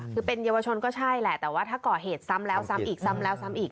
คือเป็นเยาวชนก็ใช่แต่ถ้าก่อเหตุสำแล้ว